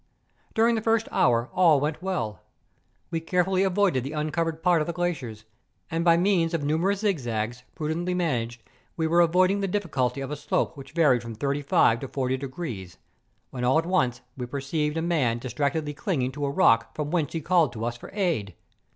During the first hour all went well. We carefully avoided the uncovered part of the glaciers, and by means of numerous zigzags, prudently man¬ aged, we were avoiding the difficulty of a slope which varied from thirty five to forty degrees, when all at once we perceived a man distractedly clinging to a rock from whence he called to us for aid